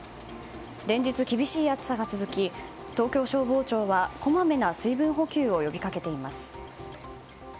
連日厳しい暑さが続き東京消防庁はこまめな水分補給を呼びかけています。